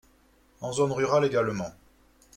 En zone rurale également.